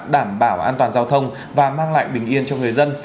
đảm bảo an toàn giao thông và mang lại bình yên cho người dân